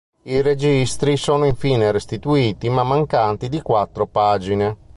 I registri sono infine restituiti ma mancanti di quattro pagine.